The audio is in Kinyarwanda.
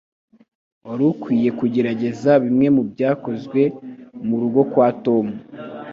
Wari ukwiye kugerageza bimwe mubyakozwe murugo rwa Tom.